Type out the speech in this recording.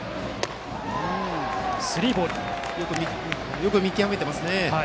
よく見極めていますね。